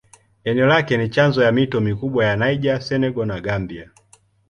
Eneo lake ni chanzo ya mito mikubwa ya Niger, Senegal na Gambia.